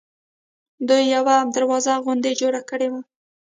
دوی یوه دروازه غوندې جوړه کړې وه.